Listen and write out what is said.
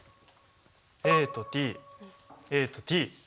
ＡとＴＡとＴ。